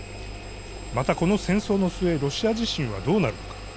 また、この戦争の末ロシア自身はどうなるのか。